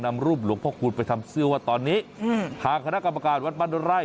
นำรูปหลวงพ่อคูณไปทำเสื้อว่าตอนนี้ทางคณะกรรมการวัดบ้านไร่